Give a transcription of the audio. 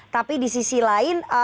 tapi di sisi lain